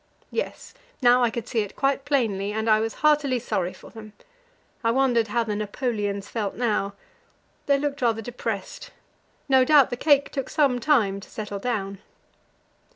Yes, now I could see it quite plainly, and I was heartily sorry for them. I wondered how the "Napoleons" felt now; they looked rather depressed. No doubt the cake took some time to settle down.